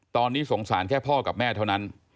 ตอนนี้สงสารแค่พ่อกับแม่เท่านั้น